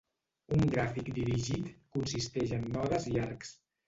Un gràfic dirigit consisteix en nodes i arcs.